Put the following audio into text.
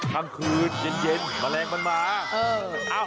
กลางคืนเย็นแมลงมันมา